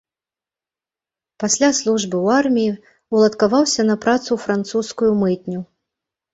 Пасля службы ў арміі уладкаваўся на працу ў французскую мытню.